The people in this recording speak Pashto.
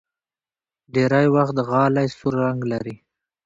ډېری وخت غالۍ سور رنګ لري.